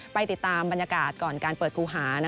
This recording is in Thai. ไปติดตามบรรยากาศก่อนการเปิดครูหา